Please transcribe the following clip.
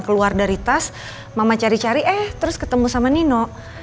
keluar dari tas mama cari cari eh terus ketemu sama nino